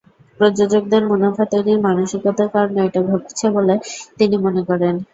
প্রযোজকদের মুনাফা তৈরির মানসিকতার কারণে এটা ঘটছে বলে তিনি মনে করেন।